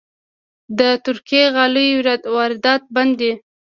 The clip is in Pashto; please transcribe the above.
د ترکي غالیو واردات بند دي؟